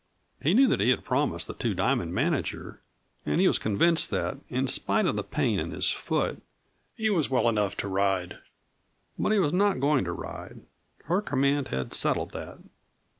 He knew that he had promised the Two Diamond manager, and he was convinced that, in spite of the pain in his foot, he was well enough to ride. But he was not going to ride; her command had settled that.